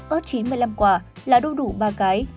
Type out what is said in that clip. ớt chín một mươi năm quả lá đu đủ ba cái